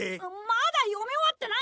まだ読み終わってないよ！